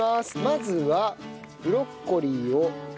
まずはブロッコリーを８個？